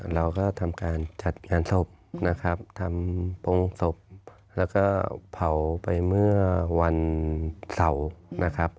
เราก็ทำการจัดงานศพนะครับทำโปรงศพแล้วก็เผาไปเมื่อวันเสาร์นะครับ